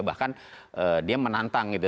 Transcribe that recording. bahkan dia menantang gitu